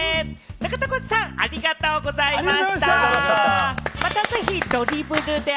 中田さん、ありがとうございました。